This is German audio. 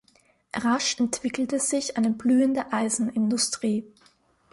Rasch entwickelte sich eine blühende Eisenindustrie.